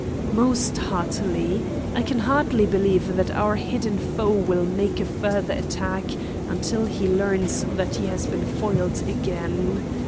"Most heartily. I can hardly believe that our hidden foe will make a further attack until he learns that he has been foiled again.